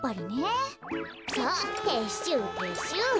さあてっしゅうてっしゅう。